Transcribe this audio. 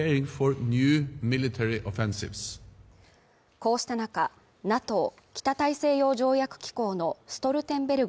こうした中ＮＡＴＯ＝北大西洋条約機構のストルテンベルグ